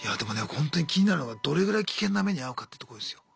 ホントに気になるのがどれぐらい危険な目に遭うかってとこですよ。